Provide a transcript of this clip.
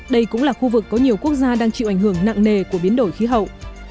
đây cũng là khu vực có nhiều quốc gia đang chịu ảnh hưởng nặng nề của biến đổi khí hậu